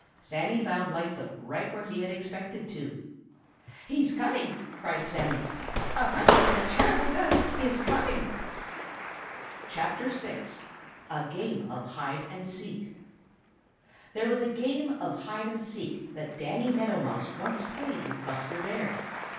Sammy found Lightfoot right where he had expected to. "He's coming!" cried Sammy. "A hunter with a terrible gun is coming!" CHAPTER VI A GAME OF HIDE AND SEEK There was a game of hide and seek that Danny Meadow Mouse once played with Buster Bear.